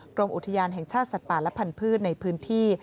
กรมอุทยานแห่งชาติสัตว์ป่าและพันธุ์ในพื้นที่